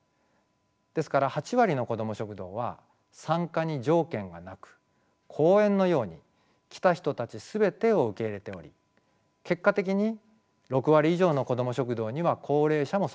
ですから８割のこども食堂は参加に条件はなく公園のように来た人たち全てを受け入れており結果的に６割以上のこども食堂には高齢者も参加しています。